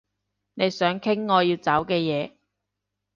你想傾我要走嘅嘢